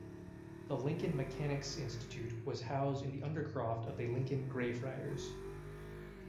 The Lincoln Mechanics’ Institute was housed in the undercroft of the Lincoln Greyfriars.